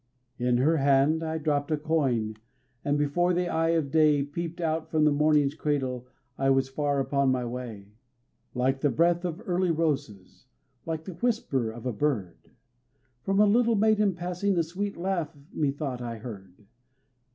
In her hand I dropped a coin, and before the eye of day Peeped from out the morning's cradle I was far upon my way. Like the breath of early roses, like the whisper of a bird, From a little maiden passing, a sweet laugh methought I heard.